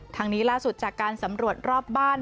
ทางนี้ล่าสุดจากการสำรวจรอบบ้าน